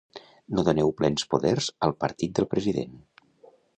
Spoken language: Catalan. No doneu plens poders al partit del president.